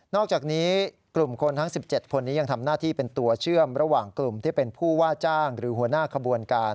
อกจากนี้กลุ่มคนทั้ง๑๗คนนี้ยังทำหน้าที่เป็นตัวเชื่อมระหว่างกลุ่มที่เป็นผู้ว่าจ้างหรือหัวหน้าขบวนการ